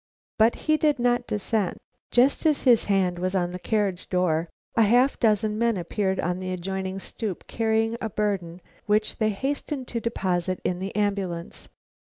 But he did not descend. Just as his hand was on the carriage door, a half dozen men appeared on the adjoining stoop carrying a burden which they hastened to deposit in the ambulance.